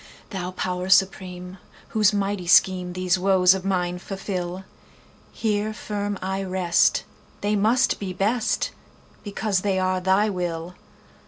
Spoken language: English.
Thou Power Supreme, whose mighty schemeThese woes of mine fulfil, Here firm I rest; they must be best, Because they are Thy will!